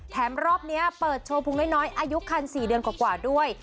รอบนี้เปิดโชว์พุงน้อยอายุคัน๔เดือนกว่าด้วย